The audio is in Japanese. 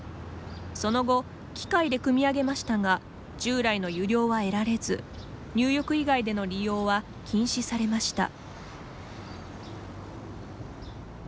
その後、機械でくみ上げましたが従来の湯量は得られず入浴以外での利用は禁止されました。